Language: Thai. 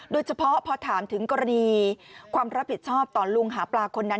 โดยเฉพาะพอถามถึงกรณีความรับผิดชอบต่อลุงหาปลาคนนั้น